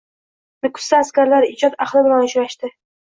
Nukusda askarlar ijod ahli bilan uchrashdi